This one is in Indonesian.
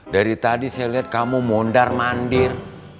dari tadi saya lihat kamu mondar mandir